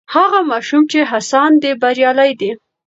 هغه ماشوم چې هڅاند دی بریالی دی.